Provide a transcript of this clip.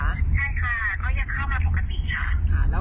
ใช่ค่ะก็ยังเข้ามาปกติค่ะ